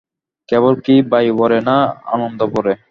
কেবল কি বায়ুভরে না আনন্দভরে।